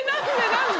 何で？